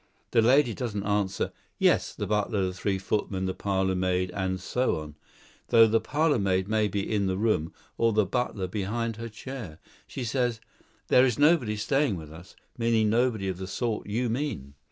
the lady doesn't answer 'Yes; the butler, the three footmen, the parlourmaid, and so on,' though the parlourmaid may be in the room, or the butler behind her chair. She says 'There is nobody staying with us,' meaning nobody of the sort you mean.